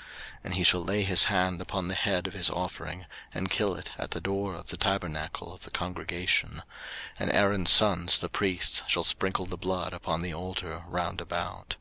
03:003:002 And he shall lay his hand upon the head of his offering, and kill it at the door of the tabernacle of the congregation: and Aaron's sons the priests shall sprinkle the blood upon the altar round about.